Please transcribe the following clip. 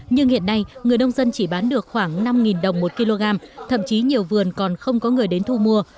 nhưng hiện nay người nông dân chỉ bán được khoảng năm đồng một kg thậm chí nhiều vườn còn không có người đến thu mua